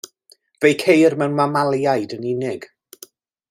Fe'i ceir mewn mamaliaid yn unig.